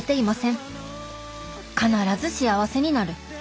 必ず幸せになる。